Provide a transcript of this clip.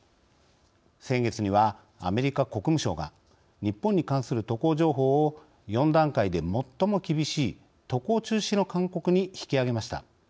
先月にはアメリカ国務省が日本に関する渡航情報を４段階で最も厳しい渡航中止の勧告に引き上げました。